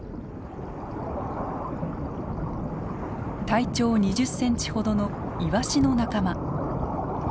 体長２０センチほどのイワシの仲間。